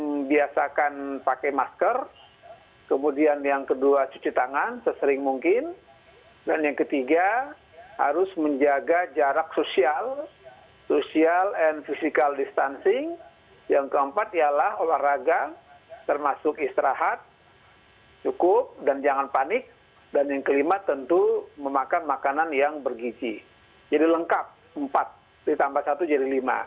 membiasakan pakai masker kemudian yang kedua cuci tangan sesering mungkin dan yang ketiga harus menjaga jarak sosial sosial and physical distancing yang keempat ialah olahraga termasuk istirahat cukup dan jangan panik dan yang kelima tentu memakan makanan yang bergiji jadi lengkap empat ditambah satu jadi lima